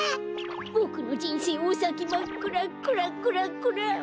ボクのじんせいおさきまっくらクラクラクラ。